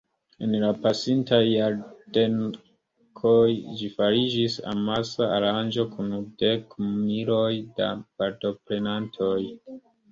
En la pasintaj jardekoj ĝi fariĝis amasa aranĝo kun dekmiloj da partoprenantoj.